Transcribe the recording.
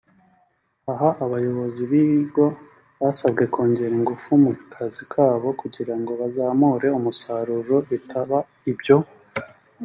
Aha abayobozi b’ibi bigo basabwe kongera ingufu mu kazi kabo kugirango bazamure umusaruro bitaba ibyo